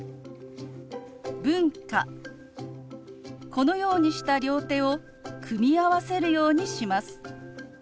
このようにした両手を組み合わせるようにします。